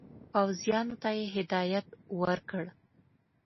پوځیانو ته یې هدایت ورکړ.